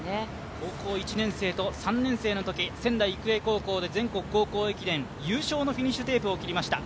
高校１年生と３年生のとき仙台育英高で全国高校駅伝優勝のフィニッシュテープを切りました。